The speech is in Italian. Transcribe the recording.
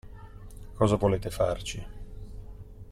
Cosa volete farci?